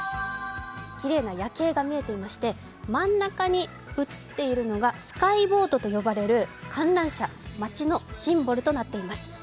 きれいな夜景が見えていまして、真ん中に映っているのがスカイボートと呼ばれる観覧車街のシンボルとなっています。